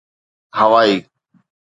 هوائي